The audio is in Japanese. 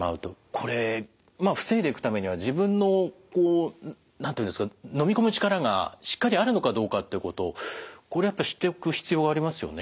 これまあ防いでいくためには自分のこう何て言うんですか飲み込む力がしっかりあるのかどうかっていうことこれをやっぱ知っておく必要がありますよね。